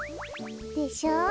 でしょ。